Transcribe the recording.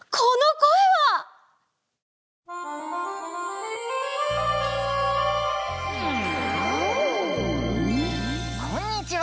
こんにちは。